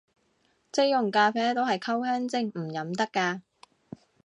即溶咖啡都係溝香精，唔飲得咖